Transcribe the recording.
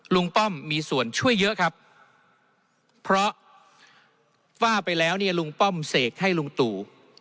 ป้อมมีส่วนช่วยเยอะครับเพราะว่าไปแล้วเนี่ยลุงป้อมเสกให้ลุงตู่